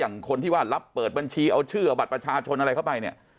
คนที่ว่ารับเปิดบัญชีเอาชื่อเอาบัตรประชาชนอะไรเข้าไปเนี่ย